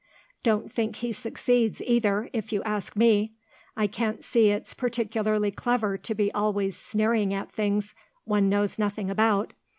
Don't think he succeeds, either, if you ask me. I can't see it's particularly clever to be always sneering at things one knows nothing about.